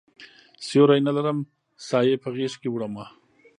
سیوری نه لرم سایې په غیږکې وړمه